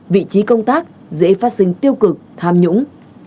vị trí công tác dễ phát sinh tiêu cực tham nhũng